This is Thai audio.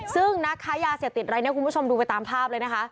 ซึ่งนักค้ายาเสียบติดอะไรเนี่ยคุณผู้ชมดูไปตามภาพเลยนะฮะ